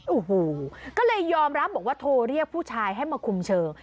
โอ้โหก็เลยยอมรับบอกว่าโทรเรียกผู้ชายให้มาคุมเชิง